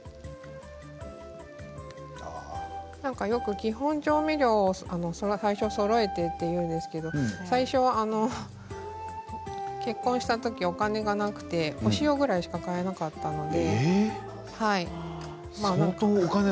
基本調味料を最初そろえてというんですが最初は、結婚したときお金がなくてお塩ぐらいしか買えなかったので。